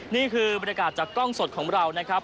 นี่คือบรรยากาศจากกล้องสดของเรานะครับ